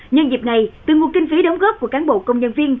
nhân dịp này từ nguồn kinh phí đóng góp của cán bộ công nhân viên